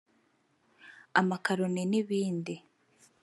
amakaloni n’ibindi”